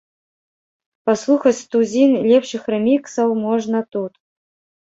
Паслухаць тузін лепшых рэміксаў можна тут.